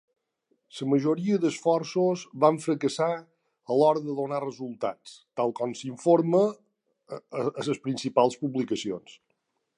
La majoria dels esforços van fracassar a l'hora de donar resultats, tal com s'informa en les principals publicacions.